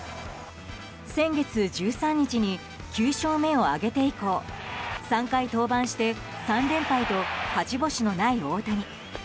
先月１３日に９勝目を挙げて以降３回登板して３連敗と勝ち星のない大谷。